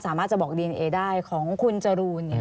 สามารถจะบอกดีเอนเอได้ของคุณจรูน